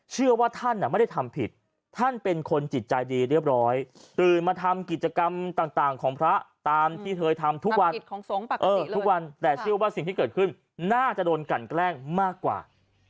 เชื่อว่าท่านไม่ได้ทำผิดท่านเป็นคนจิตใจดีเรียบร้อยตื่นมาทำกิจกรรมต่างของพระตามที่เธอทำทุกวันทุกวันแต่เชื่อว่าสิ่งที่เกิดขึ้นน่าจะโดนกันแกล้งมากกว่า